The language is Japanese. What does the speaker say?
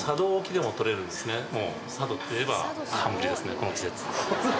この季節。